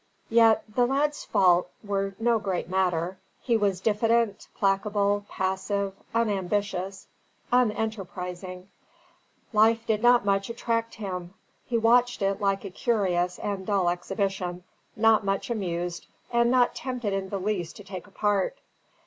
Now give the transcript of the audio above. Yet the lad's faults were no great matter; he was diffident, placable, passive, unambitious, unenterprising; life did not much attract him; he watched it like a curious and dull exhibition, not much amused, and not tempted in the least to take a part.